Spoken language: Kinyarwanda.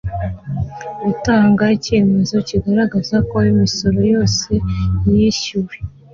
gutanga icyemezo kigaragaza ko imisoro yose yishyuwe